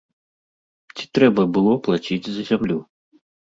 Ці трэба было плаціць за зямлю?